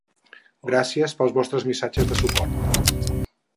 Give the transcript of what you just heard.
Gràcies pels vostres missatges de suport.